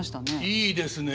いいですね